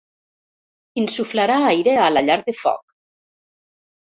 Insuflarà aire a la llar de foc.